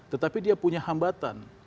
tetapi dia punya hambatan